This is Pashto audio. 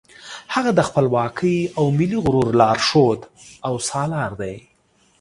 هغه د خپلواکۍ او ملي غرور لارښود او سالار دی.